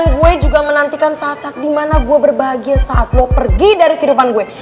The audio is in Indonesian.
gue juga menantikan saat saat dimana gue berbahagia saat lo pergi dari kehidupan gue